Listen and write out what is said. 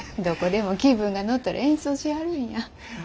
どこでも気分が乗ったら演奏しはるんや。